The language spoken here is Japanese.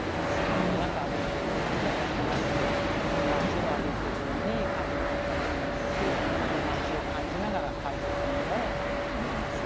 この中歩いて頂きますと街を歩いているように感じることができますし街を感じながら開放感を感じます。